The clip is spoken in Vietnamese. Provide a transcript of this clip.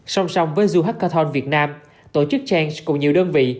xong xong với zuhakathon việt nam tổ chức change cùng nhiều đơn vị